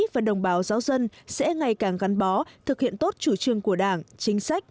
và đồng bào giáo dân sẽ ngày càng gắn bó thực hiện tốt chủ trương của đảng chính sách